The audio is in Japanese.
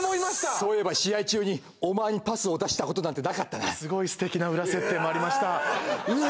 そういえば試合中にお前にパスを出したことなんてなかったなすごいすてきな裏設定もありましたうわ